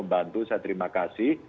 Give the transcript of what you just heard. bantu saya terima kasih